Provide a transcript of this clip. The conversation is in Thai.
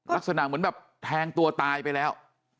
ลักษณะเหมือนแบบแทงตัวตายไปแล้ว